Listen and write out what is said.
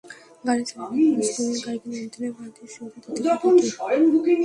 গাড়ির জ্বালানি খরচ কমিয়ে গাড়িকে নিয়ন্ত্রণে বাড়তি সুবিধা দিতে পারে এটি।